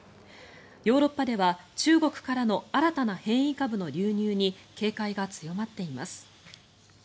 ヨーロッパでは中国からの新たな変異株の流入に警戒が強まっています。